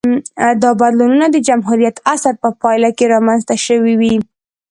دا بدلونونه د جمهوریت عصر په پایله کې رامنځته شوې وې